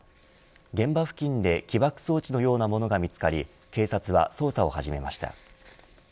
現場付近で起爆装置のようなものが見つかり警察は捜査を始めました。